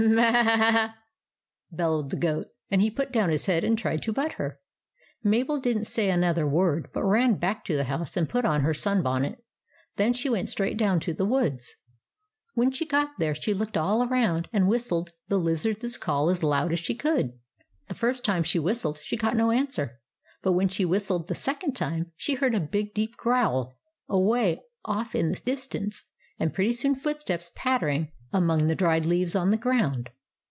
" M m a a a !" bellowed the goat, and he put down his head and tried to butt her. Mabel did n't say another word, but ran back to the house and put on her sun bonnet. Then she went straight down to the woods. When she got there, she looked all around and whistled the Lizard's call as loud as she could. The first time she whistled she got no answer; but when she whistled the second time, she heard a big deep growl away off in the distance, and pretty soon footsteps pattering among the WALTER AND THE GOAT 93; dried leaves on the ground.